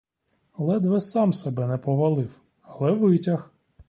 Ледве сам себе не повалив, але витяг.